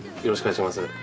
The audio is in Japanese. よろしくお願いします。